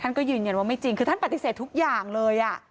ก็ยืนยันว่าไม่จริงคือท่านปฏิเสธทุกอย่างเลย